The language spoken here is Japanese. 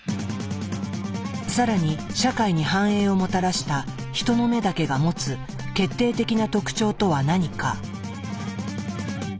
更に社会に繁栄をもたらしたヒトの目だけが持つ決定的な特徴とは何か。